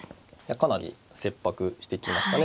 かなり切迫してきましたね。